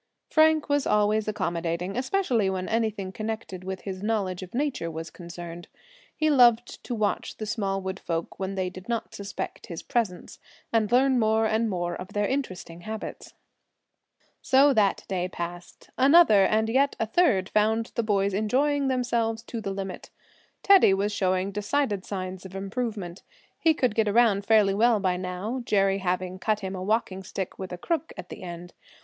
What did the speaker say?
Frank was always accommodating, especially when anything connected with his knowledge of nature was concerned. He loved to watch the small woods folk when they did not suspect his presence, and learn more and more of their interesting habits. So that day passed. Another, and yet a third found the boys enjoying themselves to the limit. Teddy was showing decided signs of improvement. He could get around fairly well by now, Jerry having cut him a walking stick, with a crook at the end.